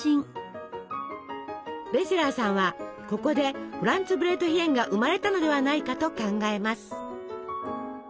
ベセラーさんはここでフランツブレートヒェンが生まれたのではないかと考えます。